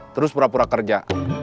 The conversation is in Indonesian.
terus pura pura kerja